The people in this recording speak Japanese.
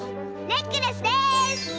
ネックレスです！